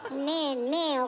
ねえねえ